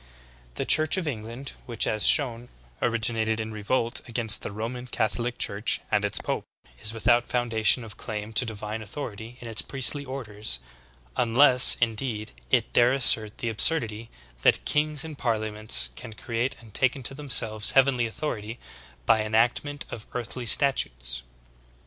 The 160 THE GREAT APOSTASY. Church of England, which, as shown, originated in revolt against the Roman Catholic Church and its pope, is without foundation of claim to divine authority in its priestly orders, unless, indeed, it dare assert the absurdity that kings and parliaments can create and take unto themselves heavenly authority by enactment of earthly statutes.